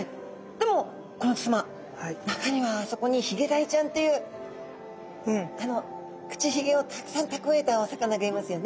でも甲本さま中にはあそこにヒゲダイちゃんというあの口ひげをたくさんたくわえたお魚がいますよね。